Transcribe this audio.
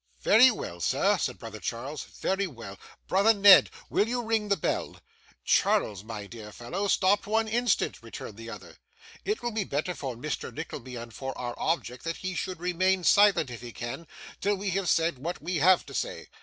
'Very well, sir,' said brother Charles. 'Very well. Brother Ned, will you ring the bell?' 'Charles, my dear fellow! stop one instant,' returned the other. 'It will be better for Mr. Nickleby and for our object that he should remain silent, if he can, till we have said what we have to say.